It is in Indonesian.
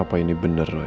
apa ini bener roy